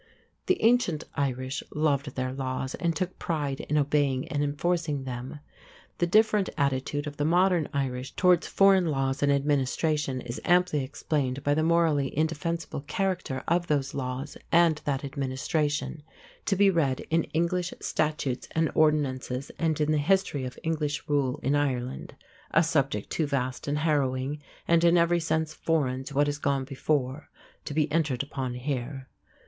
The ancient Irish loved their laws and took pride in obeying and enforcing them. The different attitude of the modern Irish towards foreign laws and administration is amply explained by the morally indefensible character of those laws and that administration, to be read in English statutes and ordinances and in the history of English rule in Ireland a subject too vast and harrowing, and in every sense foreign to what has gone before, to be entered upon here.